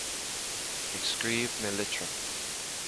Ag scríobh na litreach.